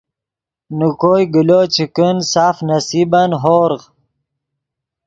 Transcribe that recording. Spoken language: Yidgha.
نے کوئے گلو چے کن سف نصیبن ہورغ